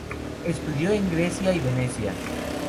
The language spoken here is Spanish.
Estudió en Grecia y Venecia.